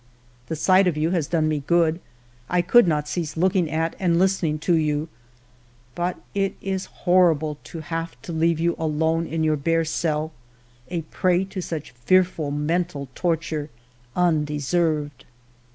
The sight of you has done me good; I could not cease looking at and listen ing to you ; but it is horrible to have to leave you alone in your bare cell, a prey to such fearful mental torture, undeserved.